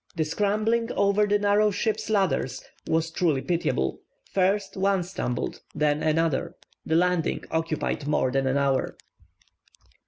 The scrambling over the narrow ship's ladders was truly pitiable; first one stumbled, and then another. The landing occupied more than an hour.